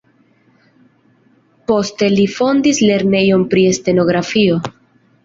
Poste li fondis lernejon pri stenografio.